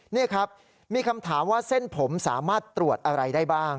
นี่ครับมีคำถามว่าเส้นผมสามารถตรวจอะไรได้บ้าง